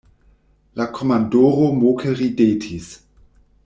La komandoro moke ridetis.